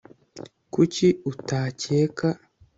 kuki utakeka